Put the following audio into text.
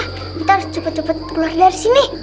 kita harus cepet cepet keluar dari sini